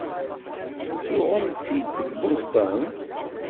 Tuɣem-tt-id deg Boston?